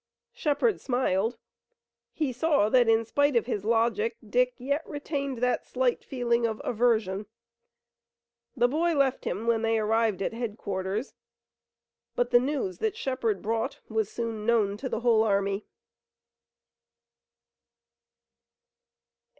Shepard smiled. He saw that in spite of his logic Dick yet retained that slight feeling of aversion. The boy left him, when they arrived at headquarters, but the news that Shepard brought was soon known to the whole army.